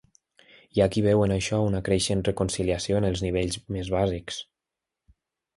Hi ha qui veu en això una creixent reconciliació en els nivells més bàsics.